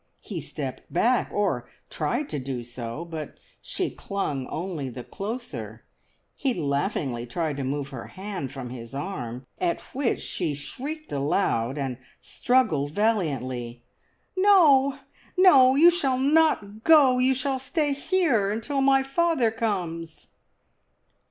He stepped back, or tried to do so, but she clung only the closer; he laughingly tried to move her hand from his arm, at which she shrieked aloud, and struggled valiantly. "No, no, you shall not go! You shall stay here until my father comes!"